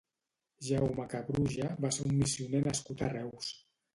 Jaume Cabruja va ser un missioner nascut a Reus.